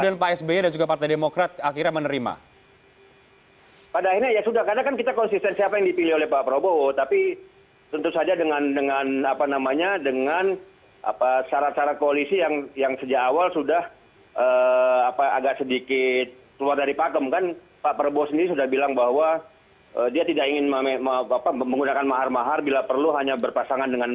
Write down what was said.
dan sudah tersambung melalui sambungan telepon ada andi arief wasekjen